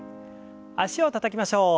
脚をたたきましょう。